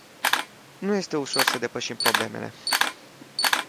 Nu este ușor să depășim problemele.